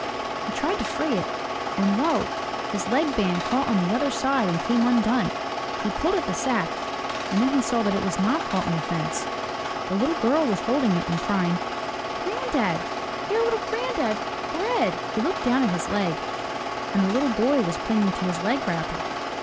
He tried to free it, when lo! his leg band caught on the other side and came undone. He pulled at the sack, and then he saw that it was not caught on the fence,— the little girl was holding it and crying, Granddad, dear little granddaddy, bread!'* He looked down at his leg, and the little boy was clinging to his leg wrapper.